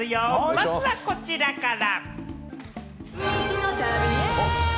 まずは、こちらから。